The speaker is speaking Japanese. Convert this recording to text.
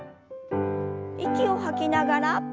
息を吐きながら。